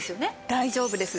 大丈夫です。